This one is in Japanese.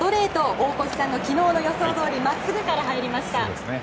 大越さんの昨日の予想どおりまっすぐから入りました。